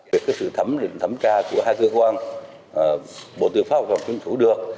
việc sự thẩm lĩnh thẩm tra của hai cơ quan bộ tư pháp và chính phủ được